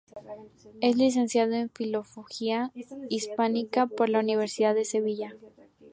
Es Licenciado en Filología Hispánica por la Universidad de Sevilla.